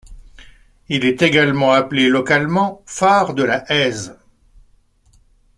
Il est également appelé localement phare de la Haize.